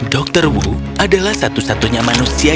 dokter wu adalah satu satunya manusia